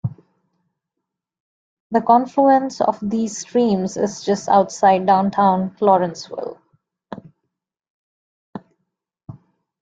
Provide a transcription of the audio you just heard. The confluence of these streams is just outside downtown Lawrenceville.